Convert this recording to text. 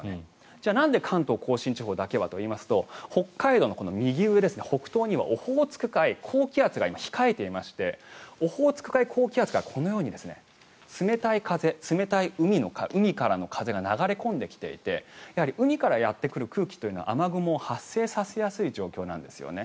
じゃあなんで関東・甲信地方だけはといいますと北海道の右上、北東にはオホーツク海高気圧が今、控えていましてオホーツク海高気圧がこのように冷たい風、冷たい海からの風が流れ込んできていてやはり海からやってくる空気というのは雨雲を発生させやすい状況なんですよね。